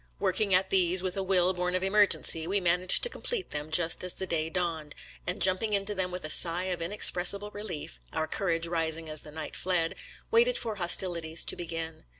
Working at these with a will born of emergency, we managed to complete them just as the day dawned, and jumping into them with a sigh of inexpressible relief — our courage rising as the night fled — waited for hostilities to begin.